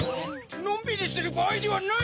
のんびりしてるばあいではない！